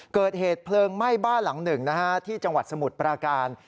เกิดเหตุเพลิงไหม้บ้านหลังหนึ่งนะฮะที่จังหวัดสมุทรปราการ